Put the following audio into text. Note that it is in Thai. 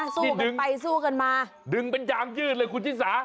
สู้กันไปสู้กันมาดึงเป็นยางยืดเลยคุณชิสา